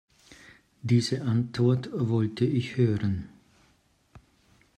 Diese Antwort wollte ich hören.